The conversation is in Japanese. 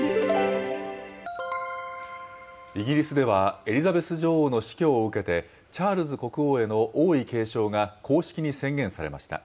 イギリスでは、エリザベス女王の死去を受けて、チャールズ国王への王位継承が公式に宣言されました。